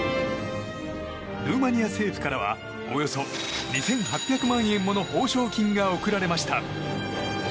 ルーマニア政府からはおよそ２８００万円もの報奨金が贈られました。